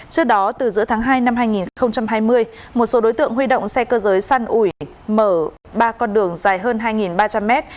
trước đó từ giữa tháng hai năm hai nghìn hai mươi một số đối tượng huy động xe cơ giới săn ủi mở ba con đường dài hơn hai ba trăm linh mét